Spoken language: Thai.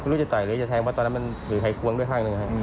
ไม่รู้จะต่อยหรือจะแทงเพราะตอนนั้นมันถือไขควงด้วยข้างหนึ่งฮะ